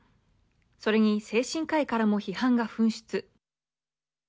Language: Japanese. それに精神科医からも批判が噴出。